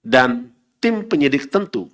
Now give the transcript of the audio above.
dan tim penyidik tentu